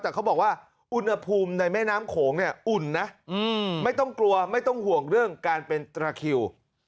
แต่เขาบอกว่าอุณหภูมิในแม่น้ำโขงเนี่ยอุ่นนะไม่ต้องกลัวไม่ต้องห่วงเรื่องการเป็นตระคิว